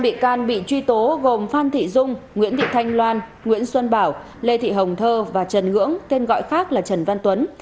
một bị can bị truy tố gồm phan thị dung nguyễn thị thanh loan nguyễn xuân bảo lê thị hồng thơ và trần ngưỡng tên gọi khác là trần văn tuấn